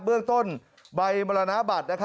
เบื้องต้นใบมรณาบัตรนะครับ